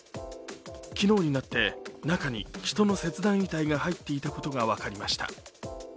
昨日になって中に人の切断遺体が入っていたことが分かりました。